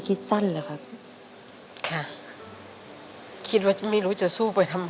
ไม่ต้องเตือนขึ้นมา